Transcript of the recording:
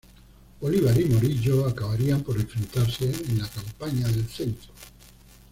Bolívar y Morillo acabarían por enfrentarse en la Campaña del Centro.